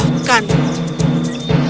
jika tidak alguém menyala dimulai